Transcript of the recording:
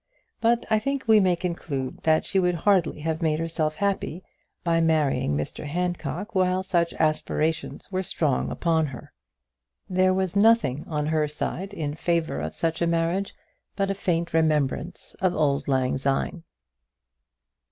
But I think we may conclude that she would hardly have made herself happy by marrying Mr Handcock while such aspirations were strong upon her. There was nothing on her side in favour of such a marriage but a faint remembrance of auld lang syne.